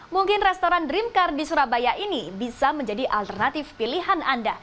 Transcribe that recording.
mungkin restoran dream car di surabaya ini bisa menjadi alternatif pilihan anda